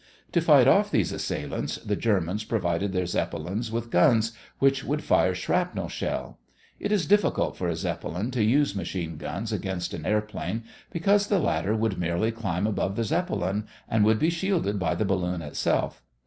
To fight off these assailants the Germans provided their Zeppelins with guns which would fire shrapnel shell. It is difficult for a Zeppelin to use machine guns against an airplane because the latter would merely climb above the Zeppelin and would be shielded by the balloon itself.